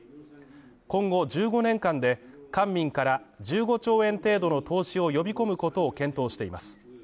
今後１５年間で官民から１５兆円程度の投資を呼び込むことを検討しています。